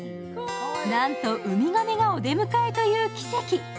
なんとウミガメがお出迎えという奇跡。